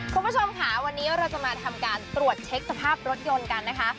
คุณผู้ชมค่ะวันนี้เราจะมาทำการตรวจเช็คสภาพรถยนต์กันนะคะ